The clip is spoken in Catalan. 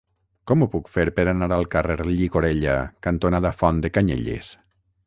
Com ho puc fer per anar al carrer Llicorella cantonada Font de Canyelles?